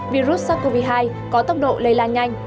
virus sars cov hai có tốc độ lây lan nhanh